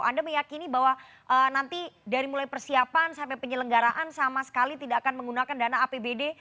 anda meyakini bahwa nanti dari mulai persiapan sampai penyelenggaraan sama sekali tidak akan menggunakan dana apbd